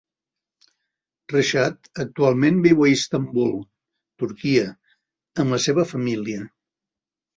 Reshad actualment viu a Istanbul (Turquia) amb la seva família.